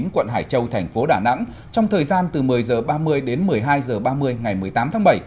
quận hải châu thành phố đà nẵng trong thời gian từ một mươi h ba mươi đến một mươi hai h ba mươi ngày một mươi tám tháng bảy